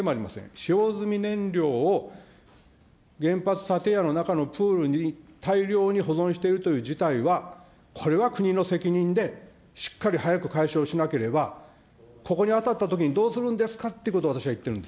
使用済み燃料を原発建屋の中のプールに大量に保存しているという事態は、これは国の責任で、しっかり早く解消しなければ、ここにあたったときにどうするんですかということを私は言っているんです。